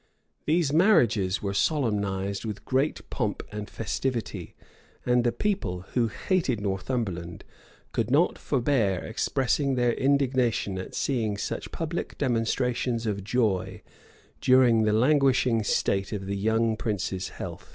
[*] These marriages were solemnized with great pomp and festivity; and the people, who hated Northumberland, could not forbear expressing their indignation at seeing such public demonstrations of joy during the languishing state of the young prince's health.